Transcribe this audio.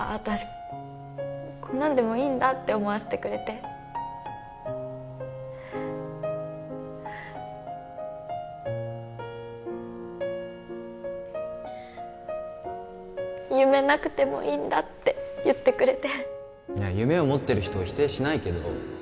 私こんなんでもいいんだって思わせてくれて夢なくてもいいんだって言ってくれていや夢を持ってる人を否定しないけど